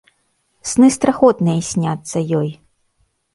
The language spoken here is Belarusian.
Сны страхотныя сняцца ёй.